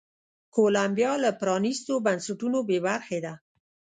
کولمبیا له پرانیستو بنسټونو بې برخې ده.